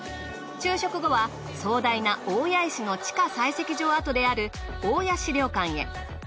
昼食後は壮大な大谷石の地下採石場跡である大谷資料館へ。